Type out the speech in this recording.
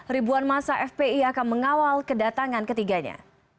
ribuan masa fpi akan mengawal kedatangan ketiganya